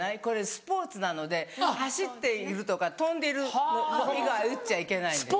これスポーツなので走っているとか飛んでいるの以外撃っちゃいけない。